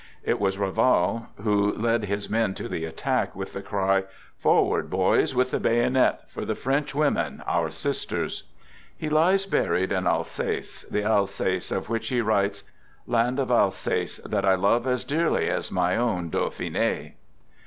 It was Rival who led his men to the attack with the cry: "Forward, boys, with the bayonet, for the French women, our sisters! " He lies buried in Al sace, the Alsace of which he writes :" Land of Alsace that I love as dearly as my own Dauphine!